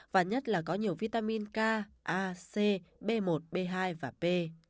và nhất là có nhiều vitamin k a c b một b hai và b